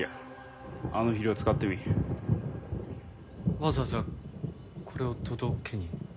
わざわざこれを届けに？